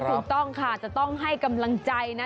ถูกต้องค่ะจะต้องให้กำลังใจนะ